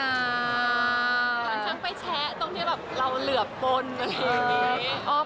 เหมือนช่างไปแชะตรงที่แบบเราเหลือปนอะไรอย่างนี้